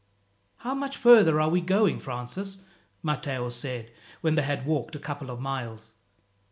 "How much further are we going, Francis?" Matteo said when they had walked a couple of miles.